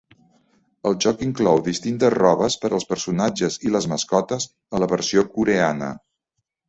El joc inclou distintes robes per als personatges i les mascotes a la versió coreana.